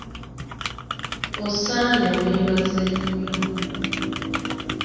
Osaanye weebaze nnyo